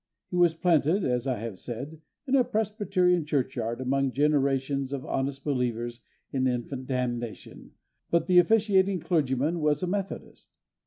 He was planted, as I have said, in a Presbyterian churchyard, among generations of honest believers in infant damnation, but the officiating clergyman was a Methodist.